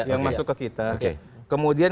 yang masuk ke kita kemudian